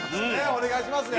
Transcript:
お願いしますね。